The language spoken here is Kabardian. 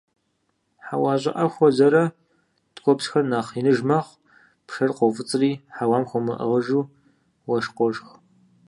Хьэуа щӀыӀэ хуэзэрэ – ткӀуэпсхэр нэхъ иныж мэхъу, пшэр къоуфӀыцӀри, хьэуам хуэмыӀыгъыжу уэшх къошх.